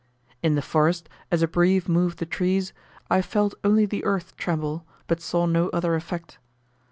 In the forest, as a breeze moved the trees, I felt only the earth tremble, but saw no other effect.